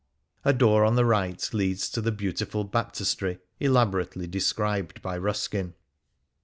A door on the right leads to the beautiful baptistry elaborately described by Ruskin.